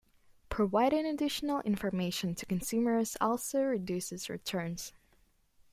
Providing additional information to consumers also reduces returns.